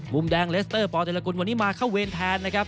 มุมแดงเลสเตอร์ปเดลกุลวันนี้มาเข้าเวรแทนนะครับ